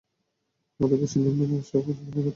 আমাদের অবশ্যই নিয়ম মেনে উৎসব পরিচালনা করতে হবে।